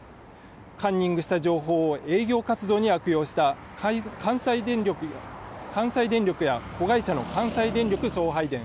カンニングした情報を営業活動に悪用した関西電力や子会社の関西電力送配電